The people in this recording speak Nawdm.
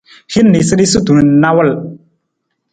Hin niisaniisatu na nawul.